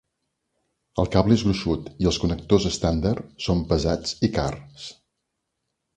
El cable és gruixut, i els connectors estàndard són pesats i cars.